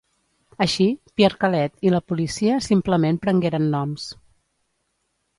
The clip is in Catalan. Així, Pierre Callet i la policia simplement prengueren noms.